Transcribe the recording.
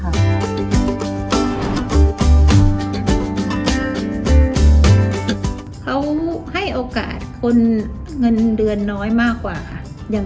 เขาให้โอกาสคนเงินเดือนน้อยมากกว่าค่ะ